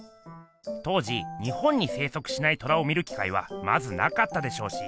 当時日本に生息しない虎を見る機会はまずなかったでしょうし。